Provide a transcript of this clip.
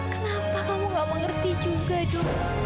kenapa kamu gak mengerti juga dong